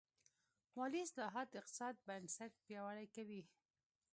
مالي اصلاحات د اقتصاد بنسټ پیاوړی کوي.